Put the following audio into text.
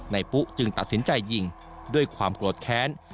ปุ๊จึงตัดสินใจยิงด้วยความโกรธแค้น